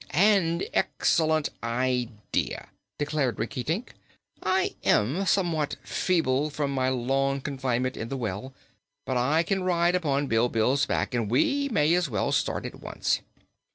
"An excellent idea," declared Rinkitink. "I am somewhat feeble from my long confinement in the well, but I can ride upon Bilbil's back and we may as well start at once."